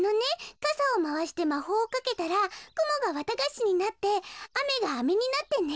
かさをまわしてまほうをかけたらくもがわたがしになって雨が飴になってね。